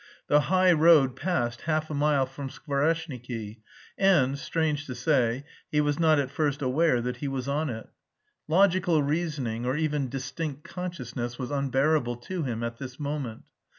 The high road passed half a mile from Skvoreshniki and, strange to say, he was not at first aware that he was on it. Logical reasoning or even distinct consciousness was unbearable to him at this moment.